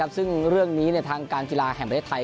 ซึ่งเรื่องนี้ทางการกีฬาแห่งประเทศไทย